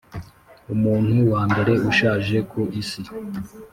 Umuntu wa mbere ushaje ku isi